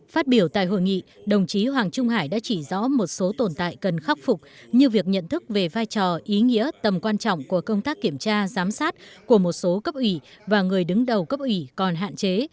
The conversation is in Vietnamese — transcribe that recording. phát biểu tại hội nghị đồng chí hoàng trung hải đã chỉ rõ một số tồn tại cần khắc phục như việc nhận thức về vai trò ý nghĩa tầm quan trọng của công tác kiểm tra giám sát của một số cấp ủy và người đứng đầu cấp ủy còn hạn chế